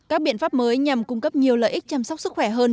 các biện pháp mới nhằm cung cấp nhiều lợi ích chăm sóc sức khỏe hơn